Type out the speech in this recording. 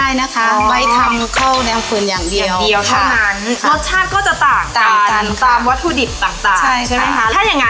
มีวัตถุดิบอะไรยังไงบ้างทำไมมี๓อย่าง